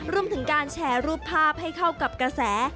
รวมถึงการแชร์รูปภาพให้เข้ากับกระแส